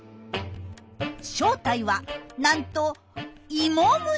正体はなんと芋虫！